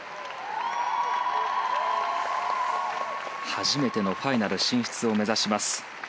初めてのファイナル進出を目指します。